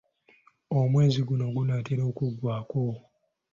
Omwezi guno gunaatera okuggwako.